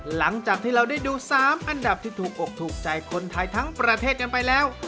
หลังจากที่เราได้ดู๓อันดับที่ถูกอกถูกใจคนไทยทั้งประเทศกันไปแล้ว